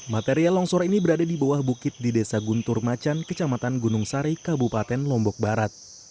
material longsor ini berada di bawah bukit di desa guntur macan kecamatan gunung sari kabupaten lombok barat